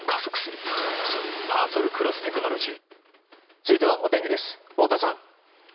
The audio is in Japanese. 続いては、お天気です太田さん。